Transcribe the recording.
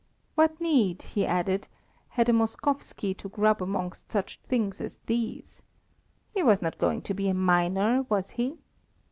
What need, he added, had a Moskowski to grub about amongst such things as these. He was not going to be a miner, was he?